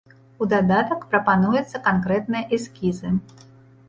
У дадатак прапануюцца канкрэтныя эскізы.